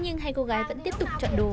không phải cô làm sao mà biết được